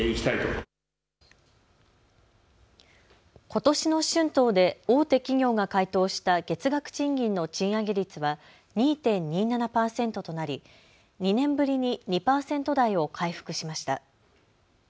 ことしの春闘で大手企業が回答した月額賃金の賃上げ率は２．２７％となり、２年ぶりに２％台を回復しました。